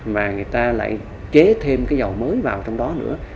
mà người ta lại chế thêm cái dầu mới vào trong đó nữa